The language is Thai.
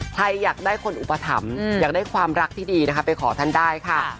ใครอยากได้คนอุปถัมภ์อยากได้ความรักที่ดีนะคะไปขอท่านได้ค่ะ